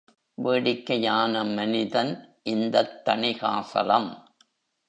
வேடிக்கையான மனிதன் இந்தத் தணிகாசலம்.